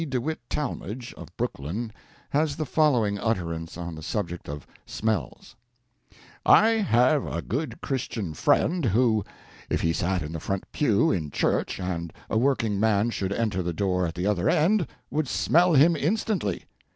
De Witt Talmage, of Brooklyn, has the following utterance on the subject of "Smells": I have a good Christian friend who, if he sat in the front pew in church, and a working man should enter the door at the other end, would smell him instantly.